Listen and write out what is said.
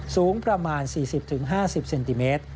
สูงประมาณ๔๐๕๐เซนติเมตร